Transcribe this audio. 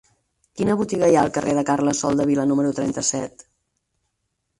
Quina botiga hi ha al carrer de Carles Soldevila número trenta-set?